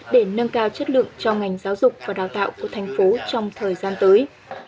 để nâng cao chất lượng cho ngành giáo dục và đào tạo của thành phố trong thời gian tới